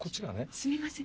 すみません。